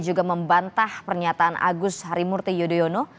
juga membantah pernyataan agus harimurti yudhoyono